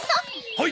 はい！